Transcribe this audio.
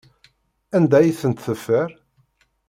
Anda ay tent-teffer?